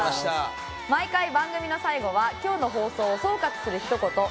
毎回番組の最後は今日の放送を総括するひと言通称ラブ！！